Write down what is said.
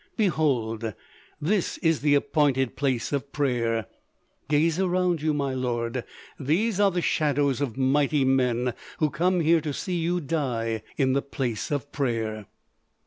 "Behold, this is the appointed Place of Prayer. Gaze around you, my lord. These are the shadows of mighty men who come here to see you die in the Place of Prayer."